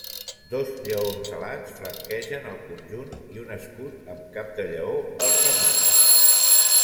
Dos lleons alats flanquegen el conjunt i un escut amb cap de lleó el remata.